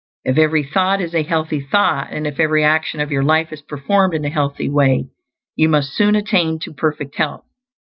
If every thought is a healthy thought, and if every action of your life is performed in a healthy way, you must soon attain to perfect health.